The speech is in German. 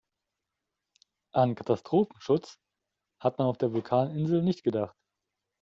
An Katastrophenschutz hat man auf der Vulkaninsel nicht gedacht.